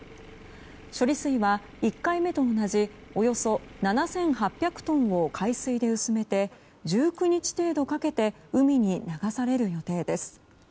処理水は１回目と同じおよそ７８００トンを海水で薄めて１９日程度かけて海に流される予定です。